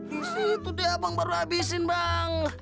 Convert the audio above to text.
disitu dia abang baru habisin bang